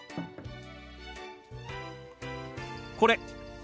これ。